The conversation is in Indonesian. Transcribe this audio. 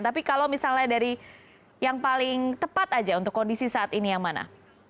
tapi kalau misalnya dari yang paling tepat aja untuk kondisi saat ini yang mana